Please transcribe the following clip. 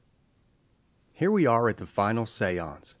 XII. Here we are at the final seance.